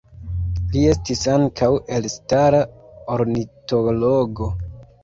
Li estis ankaŭ elstara ornitologo.